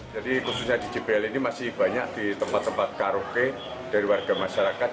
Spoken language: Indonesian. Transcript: jadi khususnya di jbl ini masih banyak di tempat tempat karaoke dari warga masyarakat